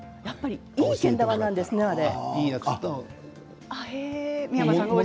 いいけん玉なんですね、あれ。